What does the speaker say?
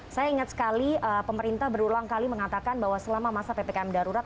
saya ingat sekali pemerintah berulang kali mengatakan bahwa selama masa ppkm darurat